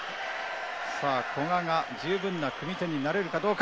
さあ、古賀が十分な組み手になれるかどうか。